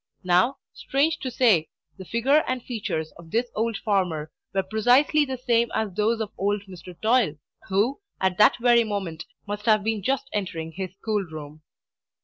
Now, strange to say, the figure and features of this old farmer were precisely the same as those of old Mr. Toil, who, at that very moment, must have been just entering his school room.